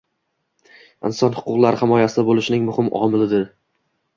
inson huquqlari himoyada bo‘lishining muhim omilidir.